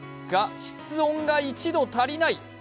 が、室温が１度足りない！